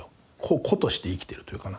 個として生きてるというかな。